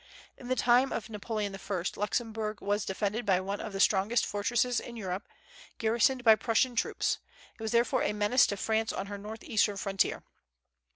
In the time of Napoleon I. Luxemburg was defended by one of the strongest fortresses in Europe, garrisoned by Prussian troops; it was therefore a menace to France on her northeastern frontier.